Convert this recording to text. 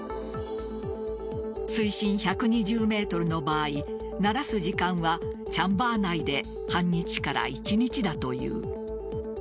水深１２０ｍの場合慣らす時間はチャンバー内で半日から一日だという。